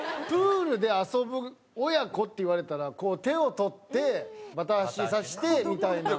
「プールで遊ぶ親子」って言われたらこう手を取ってバタ足させてみたいな。